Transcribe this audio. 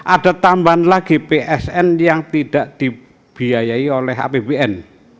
ada tambahan lagi psn yang tidak dibiayai oleh apbn